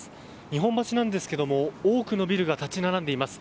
日本橋なんですけれども多くのビルが立ち並んでいます。